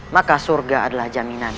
maka surga adalah jaminannya